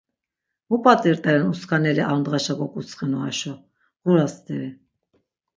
Mu p̆at̆i rt̆eren uskaneli ar dğaşa gok̆utsxinu aşo, ğura steri.